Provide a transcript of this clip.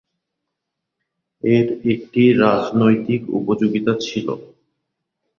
এর একটি রাজনৈতিক উপযোগিতা ছিল।